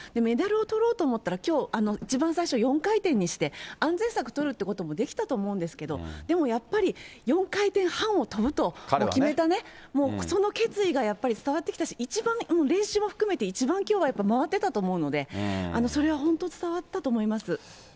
メダルを取ろうと思ったら、きょう、一番最初、４回転にして、安全策取るってこともできたと思うんですけど、でもやっぱり、４回転半を跳ぶと決めたね、もうその決意がやっぱり伝わってきたし、一番練習も含めて一番きょうはやっぱ、回ってたと思うので、それは本当、伝わったと思います。